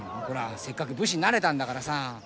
ほらせっかく武士になれたんだからさ。